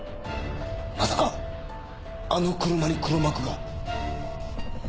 まさかあの車に黒幕が！？